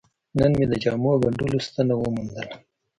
نن مې د جامو ګنډلو ستنه وموندله.